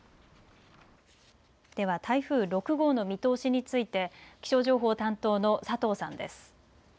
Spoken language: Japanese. では台風６号の見通しについて気象情報担当の佐藤さんです。